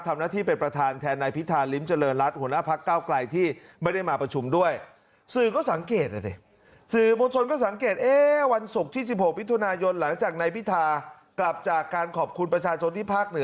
ทำหน้าที่เป็นประธานแทนนายพิธาลิ้มเจริญรัฐ